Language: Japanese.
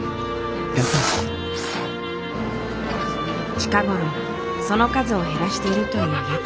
近頃その数を減らしているという屋台。